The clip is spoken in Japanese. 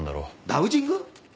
ダウジング！？